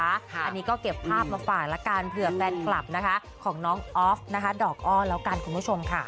อันนี้ก็เก็บภาพมาฝากละกันเผื่อแฟนคลับนะคะของน้องออฟนะคะดอกอ้อแล้วกันคุณผู้ชมค่ะ